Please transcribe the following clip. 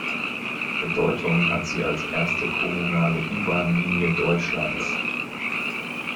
Bedeutung hat sie als erste kommunale U-Bahn-Linie Deutschlands.